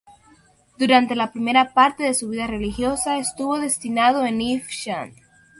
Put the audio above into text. Durante la primera parte de su vida religiosa estuvo destinado en Evesham.